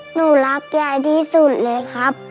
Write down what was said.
หนูรักยายที่สุดเลยครับ